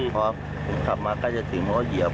เขาขับมาก็จะถึงเพราะว่าเหยียบ